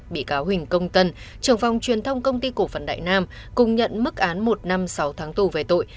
bị cáo huỳnh công tân trưởng phòng truyền thông công ty cổ phần đại nam cùng nhận mức án một năm sáu tháng tù về tội